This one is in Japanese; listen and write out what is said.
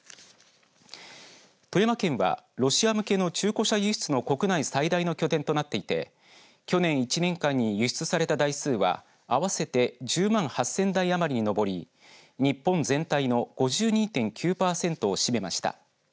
富山県はロシア向けの中古車輸出の国内の最大の拠点となっていて去年１年間に輸出された台数は合わせて１０万８０００台余りに上り日本全体の５２．９パーセントを占めました。